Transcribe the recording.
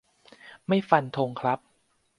ไม่ฟันธงครับ